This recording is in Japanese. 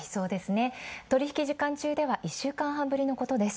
取引時間中では１週間半ぶりのことです。